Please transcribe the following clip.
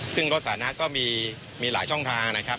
ซึ่งรถสานะก็มีหลายช่องทางนะครับ